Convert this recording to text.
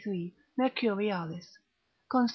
Mercurialis, consil.